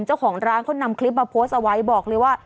เจ้าของร้านเขานำคลิปมาโพสต์เอาไว้บอกเลยว่า